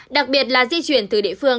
đặc biệt là di chuyển từ địa phương